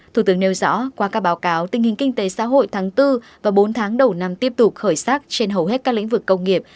thủ tướng nêu rõ qua các báo cáo tình hình kinh tế xã hội tháng bốn và bốn tháng đầu năm tiếp tục khởi sắc trên hầu hết các lĩnh vực công nghiệp